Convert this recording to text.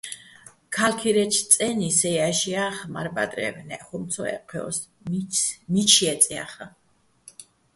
ქა́ლქირეჩო̆ წე́ნი სეჼ ჲაშო̆ ჲა́ხე̆ მარ-ბადრევ, ნჵე́ჸ ხუმ ცო ე́ჴჴჲო́ს, მიჩ ჲე́წე̆ ჲახაჼ.